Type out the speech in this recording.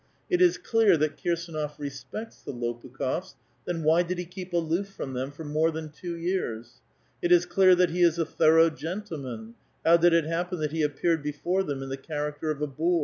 It is clear that Kir«»4nof respects the Lopu kh6fs ; then why did he keep aloof from them for more than two years ? It is clear that he is a thorough gentleman ; how did it happen that he appeared before them in tlie character of a boor?